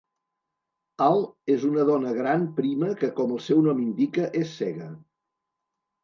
Al és una dona gran prima que, com el seu nom indica, és cega.